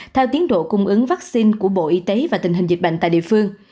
theo tiến độ cung ứng vaccine của bộ y tế và tình hình dịch bệnh tại địa phương